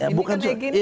ini kan bertanya